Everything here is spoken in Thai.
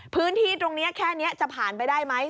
พื้นที่ตรงนี้แค่นี้จะผ่านไปได้ไหม